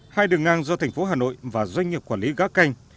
hai đường ngang do thành phố hà nội và doanh nghiệp quản lý gá canh